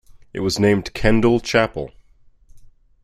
It was named Kendall Chapel.